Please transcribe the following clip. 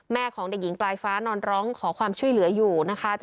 ของเด็กหญิงปลายฟ้านอนร้องขอความช่วยเหลืออยู่นะคะ